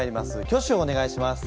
挙手をお願いします。